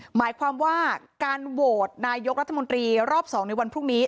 หมายความว่าการโหวตนายกรัฐมนตรีรอบ๒ในวันพรุ่งนี้